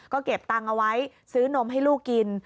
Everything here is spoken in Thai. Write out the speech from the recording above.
ก็เก็บตังค์เอาไว้ซื้อนมให้ลูกกิน